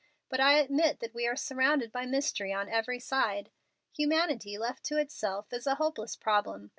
But I admit that we are surrounded by mystery on every side. Humanity, left to itself, is a hopeless problem.